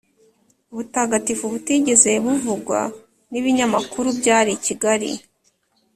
mutagatifu butigeze buvugwa n'ibinyamakuru byari i kigali